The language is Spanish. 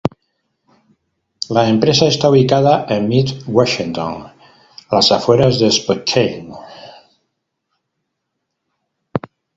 La empresa está ubicada en Mead, Washington, a las afueras de Spokane.